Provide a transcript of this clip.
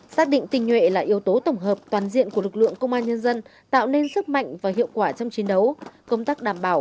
xác định tình nhuệ là yếu tố tổng hợp toàn diện của lực lượng công an nhân dân tạo nên sức mạnh và hiệu quả trong chiến đấu